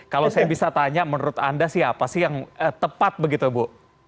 kalau saya bisa tanya menurut anda siapa sih yang tepat begitu bu